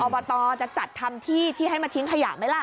อบตจะจัดทำที่ที่ให้มาทิ้งขยะไหมล่ะ